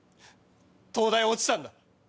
東大落ちたんだ。